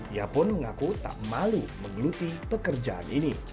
ia pun mengaku tak malu mengeluti pekerjaan ini